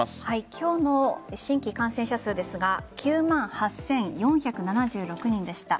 今日の新規感染者数ですが９万８４７６人でした。